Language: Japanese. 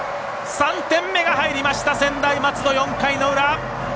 ３点目が入りました専大松戸、４回の裏。